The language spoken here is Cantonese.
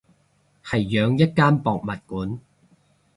係養一間博物館